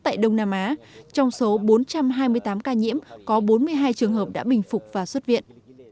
tại đông nam á trong số bốn trăm hai mươi tám ca nhiễm có bốn mươi hai trường hợp đã bình phục và xuất viện